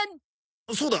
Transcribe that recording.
そうだ。